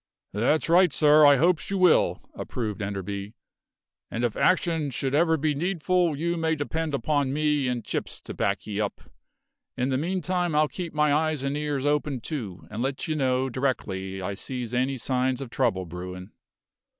"That's right, sir; I hopes you will," approved Enderby. "And if action should ever be needful you may depend upon me and Chips to back ye up. In the meantime I'll keep my eyes and ears open, too, and let you know directly I sees any signs of trouble brewin'."